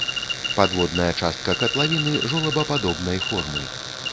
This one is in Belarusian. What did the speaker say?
Падводная частка катлавіны жолабападобнай формы.